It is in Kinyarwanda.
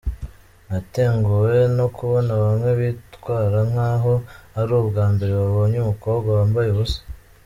Natunguwe no kubona bamwe bitwara nk’aho ari ubwa mbere babonye umukobwa wambaye ubusa.